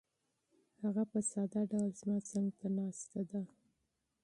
هغه په ساده ډول زما څنګ ته ناسته ده.